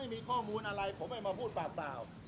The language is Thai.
ไม่มีข้อมูลผมไม่พูดถ้าผมไม่มีข้อมูลอะไรผมไม่มาพูดแปลว